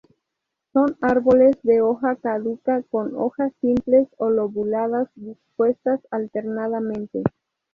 Son árboles de hoja caduca con hojas simples o lobuladas, dispuestas alternadamente.